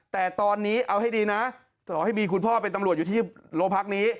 แต่ตอนนี้เอาให้ดีนะต่อให้มีคุณพ่อเป็นตำรวจอยู่ที่โรงพักนี้